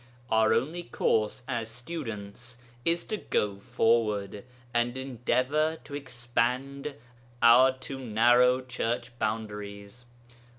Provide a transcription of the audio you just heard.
Our only course as students is to go forward, and endeavour to expand our too narrow Church boundaries.